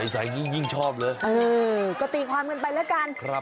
ใสยิ่งชอบเลยเออก็ตีความเงินไปแล้วกันครับ